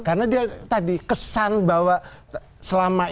karena dia tadi kesan bahwa selama ini